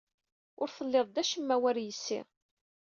Ur tellid d acemma war yes-i.